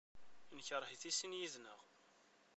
Nekṛeh-it i sin yid-nneɣ.